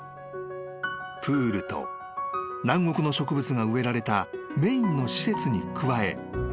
［プールと南国の植物が植えられたメインの施設に加え］